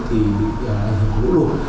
thì bị ảnh hưởng của nỗ lục